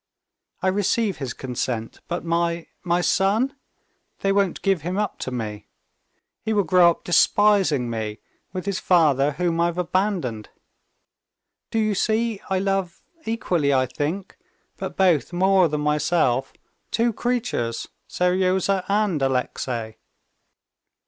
"I receive his consent, but my ... my son? They won't give him up to me. He will grow up despising me, with his father, whom I've abandoned. Do you see, I love ... equally, I think, but both more than myself—two creatures, Seryozha and Alexey."